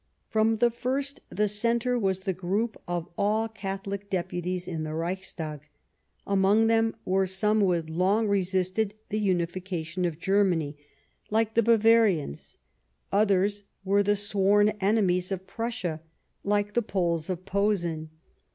From the first the Centre was the group of all Catholic Deputies to the Reichstag. Among them were some who had long resisted the unification of Germany, like the Bavarians ; others were the sworn enemies of Prussia, like the Poles of Posen.